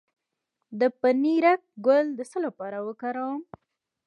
د پنیرک ګل د څه لپاره وکاروم؟